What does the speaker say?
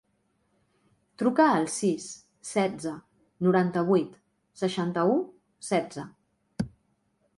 Truca al sis, setze, noranta-vuit, seixanta-u, setze.